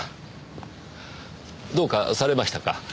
どうかされましたか？